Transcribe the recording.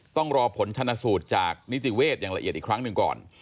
ต้องรอผลชนะสูตรจากนิติเวศอย่างละเอียดอีกครั้งหนึ่งก่อน